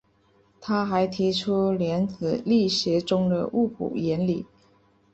他还提出量子力学中的互补原理。